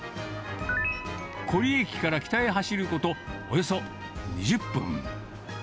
古里駅から北へ走ること、およそ２０分。